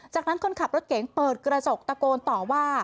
จากนั้นคนขับรถเก๋งเปิดกระจกตะโกนต่อว่า